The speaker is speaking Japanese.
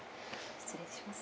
失礼します。